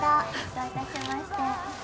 どういたしまして。